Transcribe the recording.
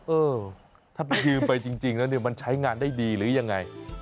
เออถ้าไปยืมไปจริงแล้วเนี่ยมันใช้งานได้ดีหรือยังไง